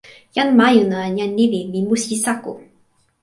jan majuna en jan lili li musi Saku.